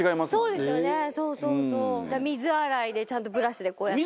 水洗いでちゃんとブラシでこうやったり。